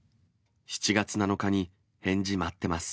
７月７日に返事待ってます。